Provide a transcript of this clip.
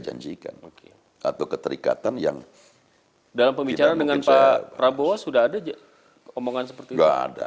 janjikan atau keterikatan yang dalam pembicaraan dengan pak prabowo sudah ada omongan seperti itu ada